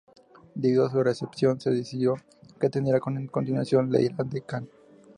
Debido a su recepción, se decidió que tendría continuación, "La ira de Khan".